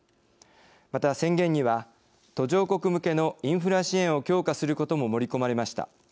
また、宣言には途上国向けのインフラ支援を強化することも盛り込まれました。